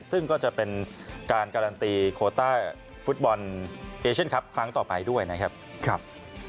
ซึ่งก็จะเป็นการการันตีโคต้าฟุตบอลเอเชียนคลับครั้งต่อไปด้วยนะครับ